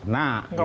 nah gitu kan